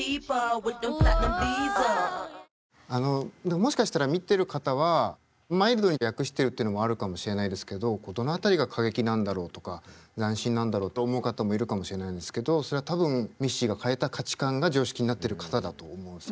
もしかしたら見てる方はマイルドに訳してるってのもあるかもしれないですけどこうどの辺りが過激なんだろうとか斬新なんだろうと思う方もいるかもしれないですけどそれは多分ミッシーが変えた価値観が常識になってるからだと思うんですよね。